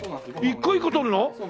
一個一個取るの！？